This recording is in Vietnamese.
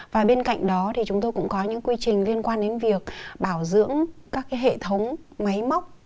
và bên cạnh đó thì chúng tôi cũng có những quy trình liên quan đến việc bảo dưỡng các cái hệ thống máy móc